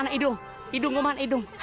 hidung umar hidung